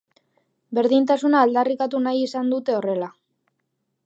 Berdintasuna aldarrikatu nahi izan dute horrela.